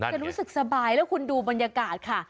จะรู้สึกสบายแล้วคุณดูบรรยากาศค่ะ